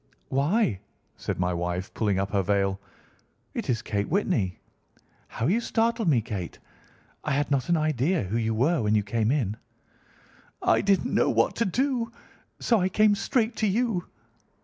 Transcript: "Why," said my wife, pulling up her veil, "it is Kate Whitney. How you startled me, Kate! I had not an idea who you were when you came in." "I didn't know what to do, so I came straight to you."